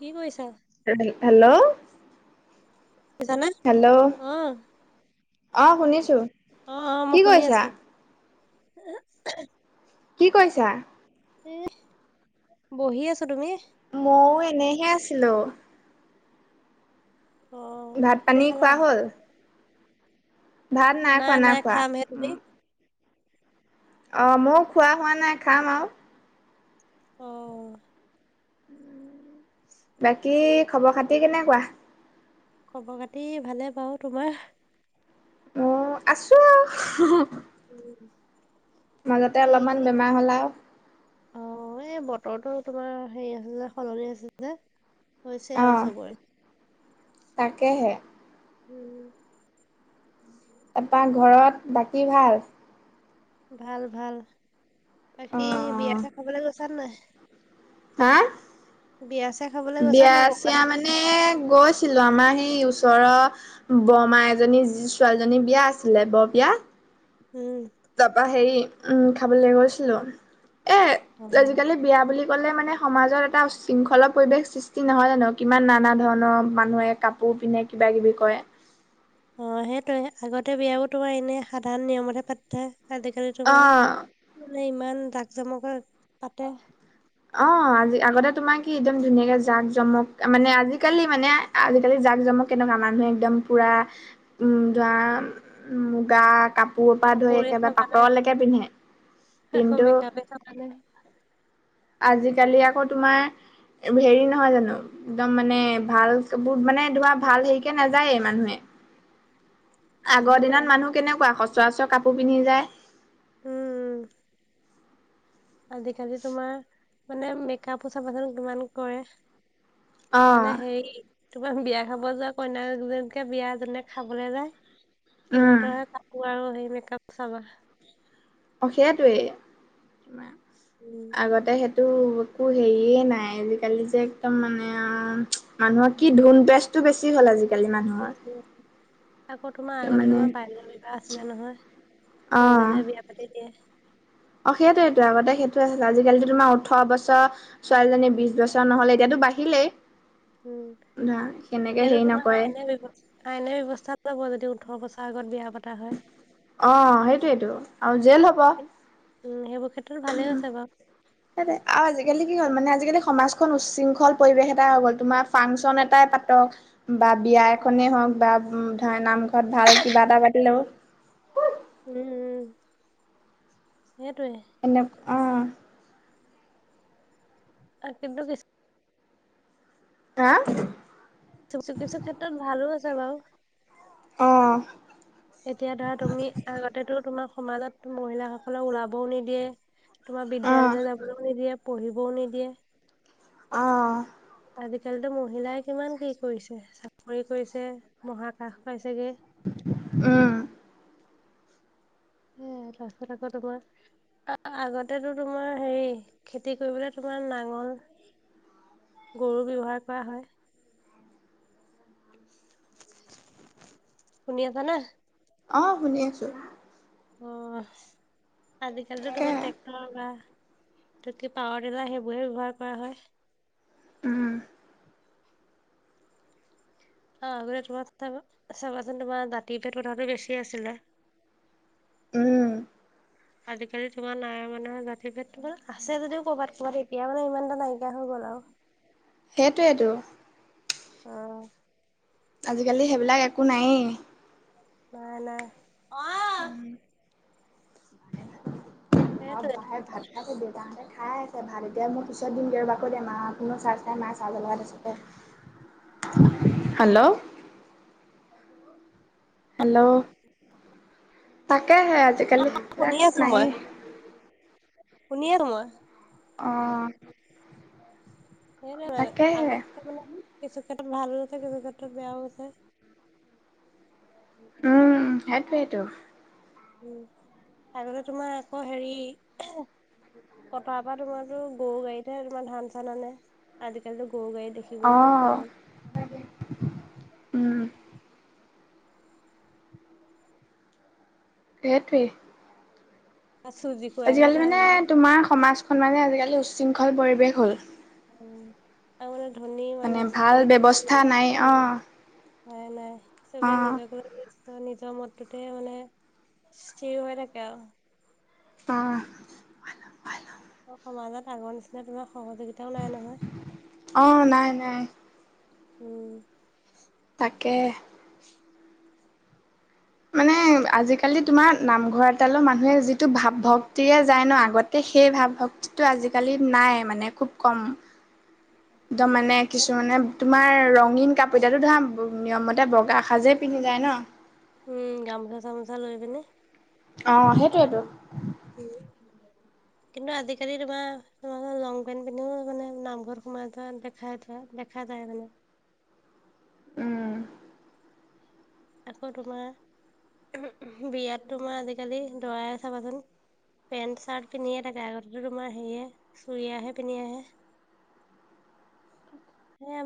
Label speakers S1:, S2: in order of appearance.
S1: কি কৰিছা?
S2: হেল্ল',
S1: শুনিছানে?
S2: হেল্ল'
S1: অ,
S2: অ শুনিছো।
S1: অ অ,
S2: কি
S1: মই শুনি
S2: কৰিছা
S1: আছোঁ।
S2: কি কৰিছা?
S1: [unintelligible] বহি আছো। তুমি?
S2: মইও এনেহে আছিলোঁ।
S1: অ।
S2: ভাত
S1: ভাত-পানী
S2: পানী
S1: খালা?
S2: খোৱা হ'ল ভাত
S1: নাই
S2: খোৱা
S1: নাই
S2: খোৱা
S1: খামহে। তুমি?
S2: অ মও খোৱা হোৱা নাই খাম আও।
S1: অ'
S2: বাকী খবৰ-খাতি কেনেকুৱা?
S1: খবৰ-খাতি ভালে বাওঁ, তোমাৰ?
S2: অঁ, আছোঁ হোঁ হোঁ।
S1: ৰিলছ
S2: মাজতে অলপমান বেমাৰ হ'ল আও।
S1: অ' এই বতৰটো তোমাৰ হেৰি হৈছে যে, সলনি হৈছে যে। হৈছে
S2: অ
S1: আও চবৰে।
S2: তাকেহে
S1: উম। [unintelligible]
S2: তা পা ঘৰত বাকী ভাল?
S1: ভাল-ভাল।
S2: অ
S1: বাকী বিয়া-ছিয়া খাবলে গৈছানে নাই?
S2: হাঁ।
S1: বিয়া-ছিয়া খাবলে গৈছানে নাই ক'বাত?
S2: এই গৈছিলোঁ আমাৰ সেই ওচৰৰ বৰ্মা এজনী ছোৱালীজনীৰ বিয়া আছিলে বৰ বিয়া।
S1: হোঁ।
S2: তা পা হেৰি উম খাবলে গৈছিলোঁ। এ
S1: অ,
S2: আজিকালি বিয়া বুলি ক'লে মানে সমাজত এটা উচ্ছৃংখলৰ পৰিৱেশ সৃষ্টি নহয় জানো? কিমান নানা ধৰণৰ মানুহে কাপ পোৰ পিন্ধে কিবাকিবি কৰে।
S1: অঁ সেইটোৱে। আগতে বিয়াবোৰ তোমাৰ এনে সাধাৰণ নিয়মতহে পাতি থয়। আজিকালি তোমাৰ
S2: অ
S1: মানে ইমান জাক-জমকা পাতে।
S2: অঁ আজি আগতে তোমাৰ কি একদম ধুনীয়াকে জাক-জমক মানে, আজিকালি মানে, আজিকালি জাক জমক কেনকা। মানুহে একদম পোৰা উম ধৰা, মুগা কাপ পোৰপা ধৰি
S1: কাপোৰে
S2: একেবাৰে
S1: চাবানে আৰু
S2: পাটলৈকে পিন্ধে
S1: আকৌ
S2: কিন্তু
S1: [unintelligible]
S2: আজিকালি আকৌ তোমাৰ হেৰি নহয় জানো একদম মানে ভালবোৰ মানে ধৰা ভাল হেৰিকে নাযায়েই মানুহে। আগৰ
S1: সেইটোৱে
S2: দিনত মানুহ কেনেকুৱা সচৰাচৰ কাপোৰ পিন্ধি যায়।
S1: উম। আজিকালি তোমাৰ মানে মেকআপো চাবাচোন কিমান কৰে।
S2: অ',
S1: মানে হেৰি তোমাৰ বিয়া খাব যোৱা কইনাগোজনীকে বিয়াত জোনে খাবলে যায়
S2: উম,
S1: সিহঁতৰহে কাপোৰ আৰু সেই মেকআপ চাবা।
S2: অঁ সেইটোৱেই, তোমাৰ
S1: উম
S2: আগতে সেট টো একো হেৰিয়ে নাই, আজিকালি যে একদম মানে আও মানুহৰ
S1: উম,
S2: কি ধুন পেচ টো বেছি হ'ল আজি।
S1: বেছি আছে। আকৌ তোমাৰ
S2: তাৰ
S1: আগতে
S2: মানে
S1: তোমাৰ বাল্যবিবাহ আছিলে নহয় সৰুতে যে বিয়া পাতি দিয়ে।
S2: অঁ সেইটোৱেটো আগতে সেইটোৱে আছিলে আজিকালিটো তোমাৰ ওঠৰ বছৰ ছোৱালীজনী বিশ বছৰ নহলে এতিয়াটো বাঢ়িলেই।
S1: উম
S2: ধৰা সেনেকে
S1: এতিয়াটো
S2: হেৰি
S1: তোমাৰ
S2: নকৰে
S1: আইনে বেলেগ হ'ল। আাইনে ব্যৱস্থা ল'ব যদি ওঠৰ বছৰ আগত বিয়া পতা হয়।
S2: অঁ সেইটোৱেটো আৰু জেল হ'ব।
S1: উম সেইবোৰ ক্ষেত্ৰত ভালে আছে বাও।
S2: সেইটোৱে আৰু আজিকালি কি হ'ল মানে আজিকালি সমাজখন উচ্ছৃংখল পৰিৱেশ এটা হৈ গ'ল তোমাক ফাংচন এটাই পাতক বা বিয়া
S1: উম,
S2: এখনেই হওঁক বা উম ধৰা নামঘৰত ভাল কিবা এটা পাতিলেও
S1: উম উম সেইটোৱে।
S2: এনে অঁ
S1: আও কিন্তু বে
S2: হা?
S1: কিছু কিছু ক্ষেত্ৰত ভালো আছে বাও।
S2: অহ।
S1: এতিয়া ধৰা তুমি আগতেটো তোমাৰ সমাজত মহিলা সকলক ওলাবও নিদিয়ে, তোমাৰ
S2: অঁ
S1: বিদ্যালয়লে যাবলেও নিদিয়ে পঢ়িবও নিদিয়ে।
S2: অঁ।
S1: আজিকালিতো মহিলাই কিমান কি কৰিছে, চাকৰি কৰিছে, মহাকাশ পাইছেগে।
S2: উম।
S1: সেইয়াই তাৰপিছত আকৌ তোমাৰ আ আ আগতেতো তোমাৰ হেৰি খেতি কৰিবলে তোমাৰ নাঙল গৰু ব্যৱহাৰ কৰা হয়। শুনি আছা নে?
S2: অ শুনি আছো।
S1: অ আজিকালিতো
S2: তাকে
S1: তোমাৰ ট্ৰেক তৰ বা পাৱাৰ টিলাৰ সেইবোৰহে ব্যৱহাৰ কৰা হয়।
S2: উম।
S1: অ আগতে তোমাৰ চ চাবাচোন তোমাৰ দাঁতি [inaudible] কথাতটো বেছি আছিলে।
S2: উম।
S1: আজিকালি তোমাৰ নাই মানে জাতি ভেদটো আছে যদিও কৰ'বাত ক'বাত এতিয়া মানে ইমান এটা নাইকিয়া হৈ গ'ল আও।
S2: সেইটোৱেইতো।
S1: অহ।
S2: আজিকালি সেইবিলাক একো নাইয়েই।
S1: নাই নাই।
S2: ভাত
S1: সেইটোৱে
S2: বাঢ়ে ভাত খাই আছে দেউতাহতে খাই আছে ভাত এতিয়া মই পিছত দিম গে ৰবা কৈ দিয়া মা ফনো চাৰ্জ নাই মা চাৰ্জত লগাই থৈছে হেল্ল'। হেল্ল', তাকেহে আজিকালি
S1: শুনি
S2: এইবিলাক নাইয়েই।
S1: শুনিয়ে [unintelligible]
S2: অ।
S1: সেই ন
S2: তাকেহে
S1: আগতকে মানে কিছু ক্ষেত্ৰত ভালো হৈছে কিছু ক্ষেত্ৰত বেয়াও হৈছে।
S2: উম সেইটোৱেইটো।
S1: উম আগতে তোমাৰ আকৌ হেৰি পথাৰৰ পৰা তোমাৰতো গৰু গাড়ীতহে তোমাৰ ধান চান আনে, আজিকালিটো গৰু গাড়ী দেখি
S2: অ, উম। সেইটোৱেই।
S1: চুজিকো আহে
S2: আজিকালি
S1: ধৰ
S2: মানে
S1: আমাৰ
S2: তোমাৰ সমাজখন মানে আজিকালি উশৃংখল পৰিৱেশ হ'ল।
S1: অ আৰু মানে ধনী
S2: মানে
S1: মানুহ
S2: ভাল
S1: চাকৰি কৰিছে
S2: ব্যৱস্থা
S1: বুলি যে
S2: নাই
S1: অ উপাই নাই চবে
S2: অ',
S1: নিজক লৈ ব্যস্ত। ত নিজৰ মতটোতে মানে স্থিৰ হৈ থাকে আও।
S2: অ।
S1: সমাজত আগৰ নিচিনা তোমাৰ সহযোগিতাও নাই নহয়।
S2: অ নাই নাই।
S1: উম।
S2: তাকে। মানে আজিকালিত তোমাৰ নামঘৰ এটালো মানুহে যিটো ভাৱ ভক্তিৰে যায় ন, আগতে সেই ভাৱ ভক্তি টো আজিকালি নাই মানে খুব কম। একদম মানে কিছু মানে তোমাৰ ৰঙীন কাপ তেতিয়াটো ধৰা নিয়মমতে বগা সাজে পিন্ধি যায় ন?
S1: উম গামোচা চামোচা লৈ পিনে।
S2: অ সেইটোয়েটো,
S1: উম, কিন্তু আজিকালি তোমাৰ তোমাৰ লং পেন্ট পিন্ধিও মানে নামঘৰত সোমাই যোৱা দেখাই থোৱা দেখা যায় মানে।
S2: উম।
S1: আকৌ তোমাৰ উ বিয়াত তোমাৰ আজিকালি দৰাই চাবাচোন পেণ্ট চাৰ্ট পিন্ধিয়ে থাকে আগতেটো তোমাৰ হেৰেহে চুৰিয়াহে পিন্ধি আহে। সেইয়াই